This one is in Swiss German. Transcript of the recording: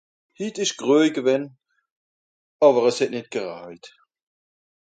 Hitt ìsch gröj gewänn. Àwer es het nìt gerajt.